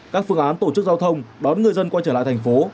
các phương án tổ chức giao thông đón người dân quay trở lại thành phố